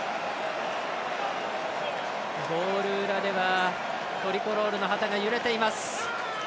ゴール裏ではトリコロールの旗が揺れています。